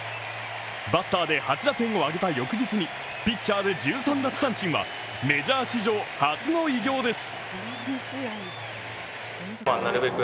バッターで８打点を挙げた翌日に、ピッチャーで１３奪三振はメジャー史上初の偉業です。